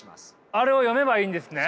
あれを読めばいいんですね？